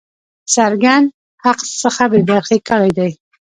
څرګند حق څخه بې برخي کړی دی.